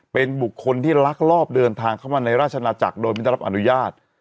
เป็นบุคคลที่ลักลอบเดินทางเข้ามาในราชนาจักรโดยไม่ได้รับอนุญาต